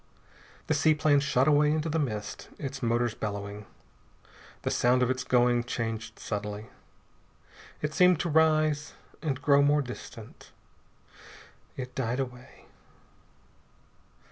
The seaplane shot away into the mist, its motors bellowing. The sound of its going changed subtly. It seemed to rise, and grow more distant.... It died away.